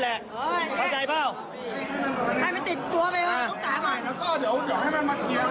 มันกล้ามันกล้ามันกล้ามันกล้ามันกล้ามันกล้ามันกล้า